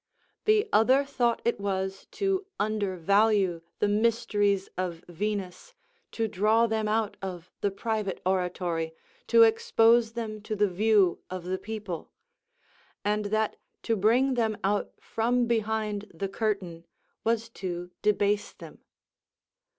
The other thought it was to undervalue the mysteries of Venus to draw them out of the private oratory, to expose them to the view of the people; and that to bring them out from behind the curtain was to debase them.